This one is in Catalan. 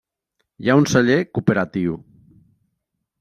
Hi ha un celler cooperatiu.